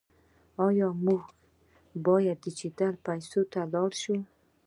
آیا موږ باید ډیجیټل پیسو ته لاړ شو؟